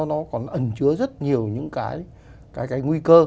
nó còn ẩn chứa rất nhiều những cái nguy cơ